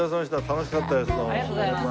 楽しかったです。